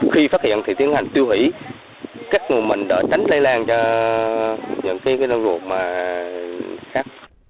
khi phát hiện thì tiến hành tiêu hủy các nguồn mệnh đỡ tránh lây lan cho những nông dụng khác